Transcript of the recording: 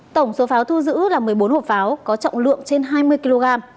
tổng số pháo thu giữ là một mươi bốn hộp pháo có trọng lượng trên hai mươi kg